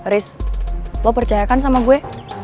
riz lo percayakan sama gue